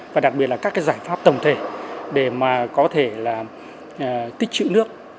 và đặc biệt là các giải pháp tổng thể để có thể tích chữ nước